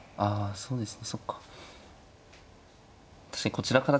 そうですね。